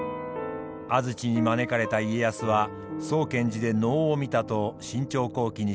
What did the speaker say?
安土に招かれた家康は見寺で能を見たと「信長公記」に記されています。